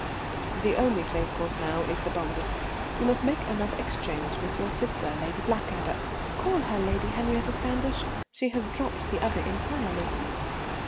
"The only safe course now is the boldest. You must make another exchange with your sister, Lady Blackadder " "Call her Lady Henriette Standish. She has dropped the other entirely."